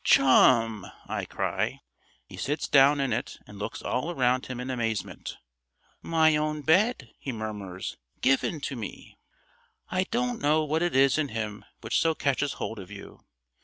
"Chum!" I cry. He sits down in it and looks all round him in amazement. "My own bed!" he murmurs. "Given to me!" I don't know what it is in him which so catches hold of you.